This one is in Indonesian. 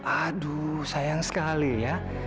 aduh sayang sekali ya